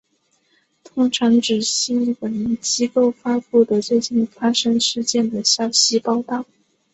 通常指新闻机构发布的最近发生事件的消息报道。